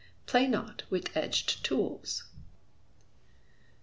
[PLAY NOT WITH EDGED TOOLS.